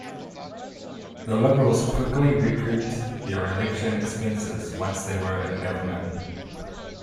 The Liberals quickly recouped their election expenses once they were in government.